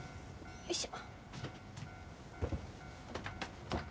よいしょ。